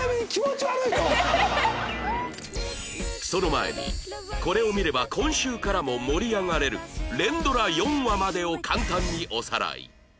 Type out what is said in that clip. その前にこれを見れば今週からも盛り上がれる連ドラ４話までを簡単におさらい